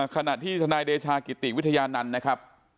ขณะที่ทนายเดชากิติวิทยานันต์นะครับ